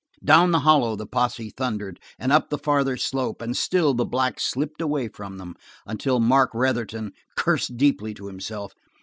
Down the hollow the posse thundered, and up the farther slope, and still the black slipped away from them until Mark Retherton cursed deeply to himself.